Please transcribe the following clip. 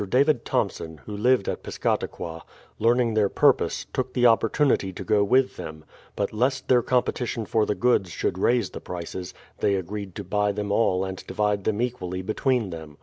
David Thomson, who lived at Piscataqua, learning their purpose, took the opportunity to go with them; but lest their competition for the goods should raise the prices, they agreed to buy them all and (divide them e;iually between them.